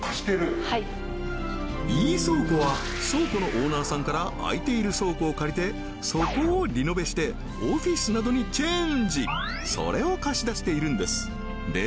はいイーソーコは倉庫のオーナーさんから空いている倉庫を借りてそこをリノベしてオフィスなどにチェンジそれを貸し出しているんですで